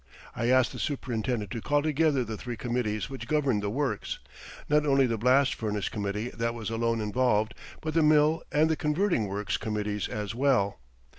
I asked the superintendent to call together the three committees which governed the works not only the blast furnace committee that was alone involved, but the mill and the converting works committees as well.